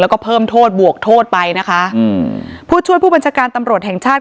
แล้วก็เพิ่มโทษบวกโทษไปนะคะอืมผู้ช่วยผู้บัญชาการตำรวจแห่งชาติ